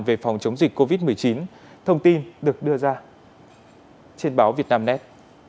về phòng chống dịch covid một mươi chín thông tin được đưa ra trên báo việt nam nét